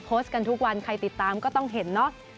ก็โพสต์กันทุกวันใครติดตามก็ต้องเห็นเนอะ